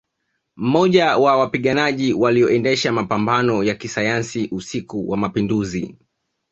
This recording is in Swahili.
Mmoja wa wapiganaji walioendesha mapambano ya kisayansi usiku wa Mapinduzi